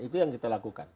itu yang kita lakukan